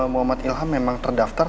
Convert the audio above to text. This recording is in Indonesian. muhammad ilham memang terdaftar